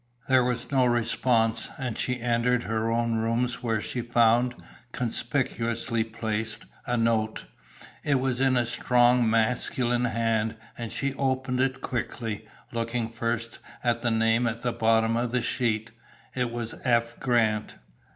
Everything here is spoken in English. There was no response, and she entered her own rooms where she found, conspicuously placed, a note. It was in a strong masculine hand, and she opened it quickly, looking first at the name at the bottom of the sheet. It was F. Grant.